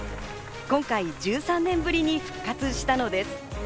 今回１３年ぶりに復活したのです。